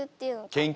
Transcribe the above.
研究？